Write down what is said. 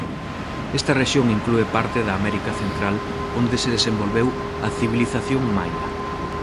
Esta rexión inclúe parte da América Central onde se desenvolveu a civilización maia.